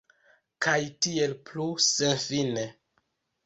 Kaj tiel plu, senfine.